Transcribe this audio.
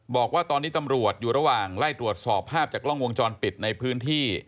บอกว่าตอนนี้ตำรวจอยู่ระหว่างไล่ตรวจสอบภาพจากกล้องวงจรปิดในพื้นที่